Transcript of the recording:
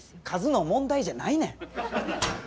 数の問題じゃないねん！